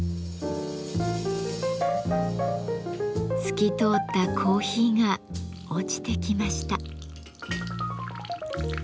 透き通ったコーヒーが落ちてきました。